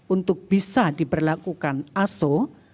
untuk bisa diberlakukan aso